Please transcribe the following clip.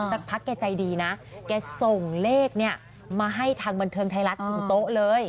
สักพักแกใจดีนะแกส่งเลขเนี่ยมาให้ทางบันเทิงไทยรัฐถึงโต๊ะเลย